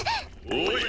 おい！